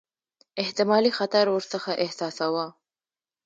احتمالي خطر ورڅخه احساساوه.